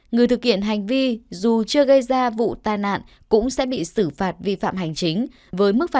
người thực hiện hành vi dù chưa gây ra vụ tai nạn cũng sẽ bị xử phạt vi phạm hành chính